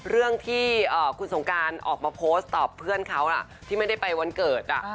เรื่องที่คุณสงการออกมาโพสต์ตอบเพื่อนเขาที่ไม่ได้ไปวันเกิด